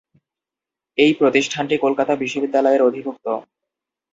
এই প্রতিষ্ঠানটি কলকাতা বিশ্ববিদ্যালয়ের অধিভুক্ত।